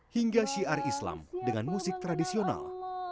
hingga syiar islam dengan musik tradisional